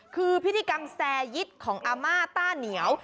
คือพิธีกรรมแซยิตของอาม่าต้าเหนียว